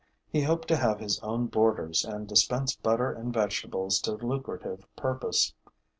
He hoped to have his own boarders and dispense butter and vegetables to lucrative purpose.